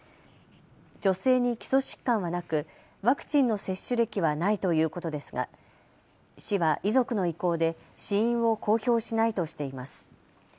女性に基礎疾患はなくワクチンの接種歴はないということですが市は遺族の意向で死因を公表しないとしています。